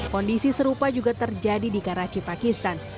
kondisi serupa juga terjadi di karachi pakistan